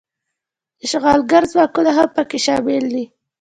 اشغالګر ځواکونه هم پکې شامل دي.